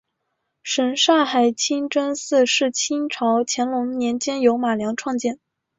什刹海清真寺是清朝乾隆年间由马良创建。